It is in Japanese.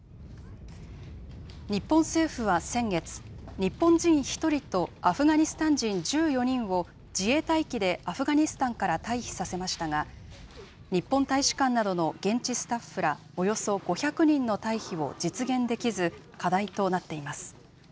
日本政府は先月、日本人１人とアフガニスタン人１４人を自衛隊機でアフガニスタンから退避させましたが、日本大使館などの現地スタッフらおよそ５００人の退避を実現できず、課題となっています。